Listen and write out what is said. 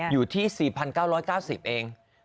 อยู่ที่๔๙๙๐เอง